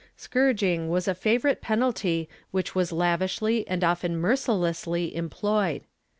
Scourging was a favorite penalty which was lavishly and often mercilessly employed.